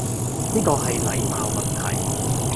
呢個係禮貌問題